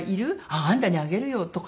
「あああんたにあげるよ」とかね。